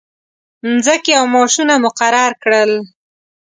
مځکې او معاشونه مقرر کړل.